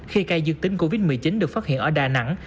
khi cây dược tính covid một mươi chín được phát hiện ở đà nẵng